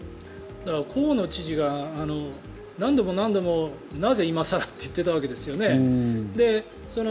河野知事が何度も何度もなぜ今更って言ってたわけですよね。